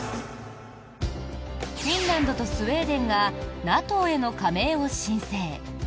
フィンランドとスウェーデンがＮＡＴＯへの加盟を申請。